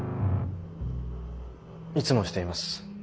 いつもしています。